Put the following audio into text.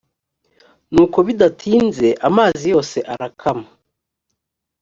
nuko bidatinze amazi yose arakama